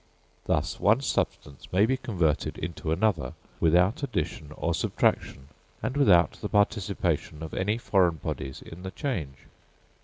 Thus one substance may be converted into another without addition or subtraction, and without the participation of any foreign bodies in the change.